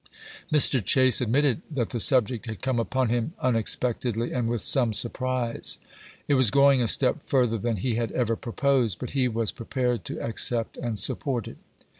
Mr. Chase admitted that the chap.viii. subject had come upon him unexpectedly and with some surprise. It was going a step further than he had ever proposed, but he was prepared to accept and support it.